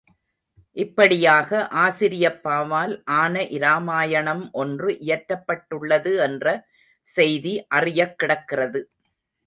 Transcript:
இப்படியாக, ஆசிரியப்பாவால் ஆன இராமாயணம் ஒன்று இயற்றப்பட்டுள்ளது என்ற செய்தி அறியக்கிடக்கிறது.